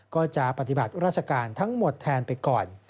ก็จะปฏิบัติราชการทั้งหมดแทนไปก่อน